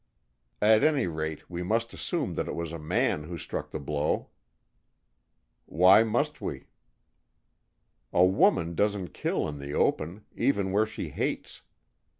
"At any rate, we must assume that it was a man who struck the blow." "Why must we?" "A woman doesn't kill in the open, even where she hates.